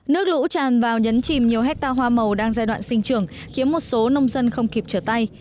nước lũ tràn vào nhấn chìm nhiều hectare hoa màu đang giai đoạn sinh trưởng khiến một số nông dân không kịp trở tay